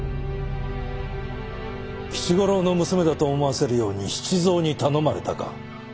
吉五郎の娘だと思わせるように七三に頼まれたか？